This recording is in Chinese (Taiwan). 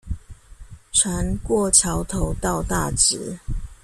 船過橋頭到大直